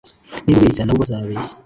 niba ubeshya, nabo bazabeshya